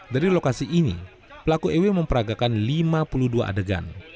dari lokasi ini pelaku ew memperagakan lima puluh dua adegan